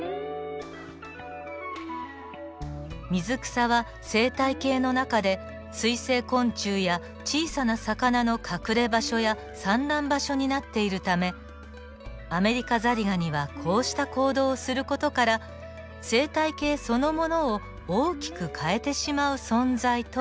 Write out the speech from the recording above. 水草は生態系の中で水生昆虫や小さな魚の隠れ場所や産卵場所になっているためアメリカザリガニはこうした行動をする事から生態系そのものを大きく変えてしまう存在といえるのです。